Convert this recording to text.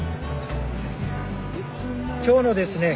今日のですね